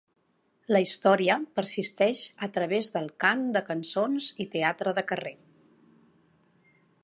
La història persisteix a través del cant de cançons i teatre de carrer.